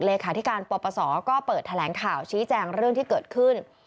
เลขาธิการปปศก็เปิดแถลงข่าวชี้แจงเรื่องที่เกิดขึ้น